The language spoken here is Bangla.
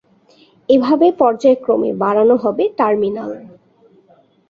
এভাবে পর্যায়ক্রমে বাড়ানো হবে টার্মিনাল।